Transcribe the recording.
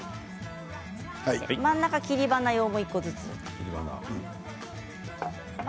真ん中切り花用も１個ずつ。